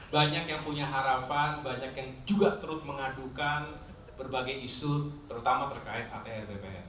banyak yang punya harapan banyak yang juga terus mengadukan berbagai isu terutama terkait atr bpn